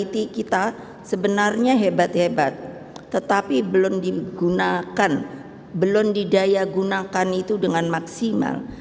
kualitas kita sebenarnya hebat hebat tetapi belum digunakan belum didaya gunakan itu dengan maksimal